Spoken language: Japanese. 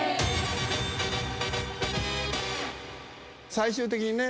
最終的にね